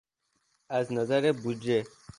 از نظر بودجه